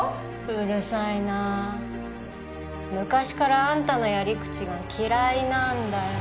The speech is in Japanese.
うるさいな昔からあんたのやり口が嫌いなんだよ